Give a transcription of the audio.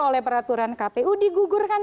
oleh peraturan kpu digugurkan